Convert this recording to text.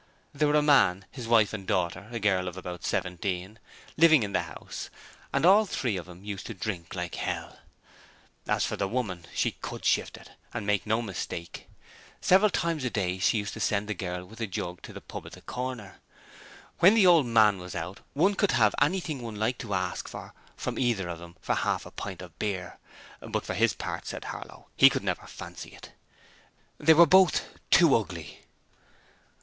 There were a man, his wife and daughter a girl about seventeen living in the house, and all three of 'em used to drink like hell. As for the woman, she COULD shift it and no mistake! Several times a day she used to send the girl with a jug to the pub at the corner. When the old man was out, one could have anything one liked to ask for from either of 'em for half a pint of beer, but for his part, said Harlow, he could never fancy it. They were both too ugly.